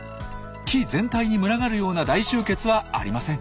木全体に群がるような大集結はありません。